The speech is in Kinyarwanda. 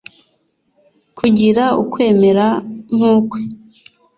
kugira ukwemera nk’ukwe